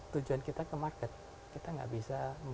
tujuan kita ke market kita nggak bisa